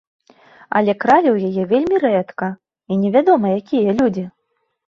Але кралі ў яе вельмі рэдка і невядома якія людзі.